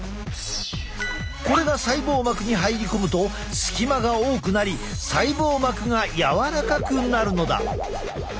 これが細胞膜に入り込むと隙間が多くなり細胞膜が柔らかくなるのだ。